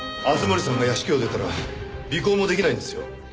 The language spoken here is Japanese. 敦盛さんが屋敷を出たら尾行もできないんですよ。